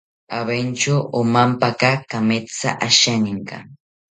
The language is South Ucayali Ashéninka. Aventyo omampaka kametha asheninka